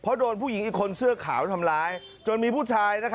เพราะโดนภูตญิงอีกคนเสื้อขาวทำร้าย